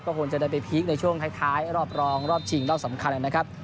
คงจะได้ไปพีคในช่วงท้ายรอบรองรอบชิงรอบสำคัญนะครับ